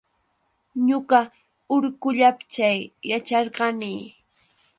Ñuqa urqullapa chay yacharqani.